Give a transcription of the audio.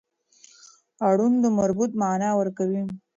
اړوند د مربوط معنا ورکوي.